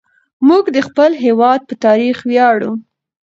موږ د خپل هېواد په تاريخ وياړو.